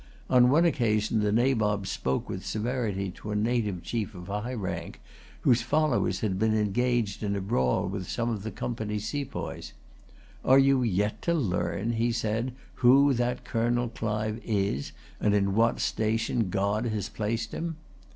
On one occasion, the Nabob spoke with severity to a native chief of high rank, whose followers had been engaged in a brawl with some of the Company's sepoys. "Are you yet to learn," he said, "who that Colonel Clive is, and in what station God has placed him?"